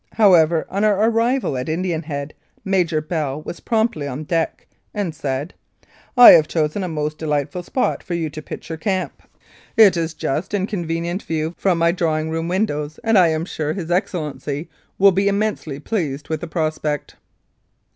However, on our arrival at Indian Head, Major Bell was promptly on deck, and said: "I have chosen a most delightful spot for you to pitch your camp. It is just in convenient Mounted Police Life in Canada view from my drawing room windows, and I am sure His Excellency will be immensely pleased with the prospect."